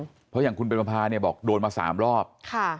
เพราะอย่างคุณเป็นมภาเนี่ยบอกโดนมาสามรอบค่ะ